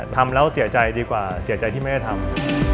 ทำแล้วเสียใจดีกว่าเสียใจที่ไม่ได้ทำ